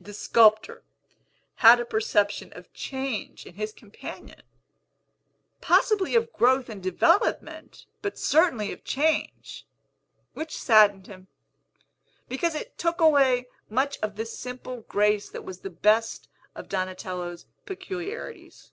The sculptor had a perception of change in his companion, possibly of growth and development, but certainly of change, which saddened him, because it took away much of the simple grace that was the best of Donatello's peculiarities.